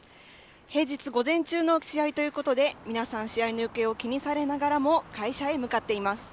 平日午前中の試合ということで、皆さん、試合の行方を気にされながらも、会社へ向かっています。